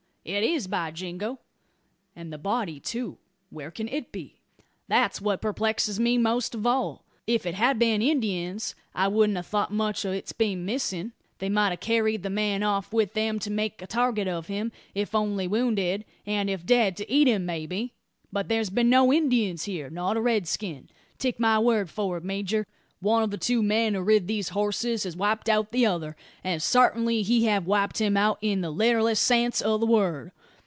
"It is, by jingo!" "And the body, too; where can it be?" "That's what purplexes me most of all. If 't had been Indyins, I wouldn't a thought much o' its being missin'. They might a carried the man off wi them to make a target of him, if only wounded; and if dead, to eat him, maybe. But there's been no Indyins here not a redskin. Take my word for it, major, one o' the two men who rid these horses has wiped out the other; and sartinly he have wiped him out in the litterlest sense o' the word.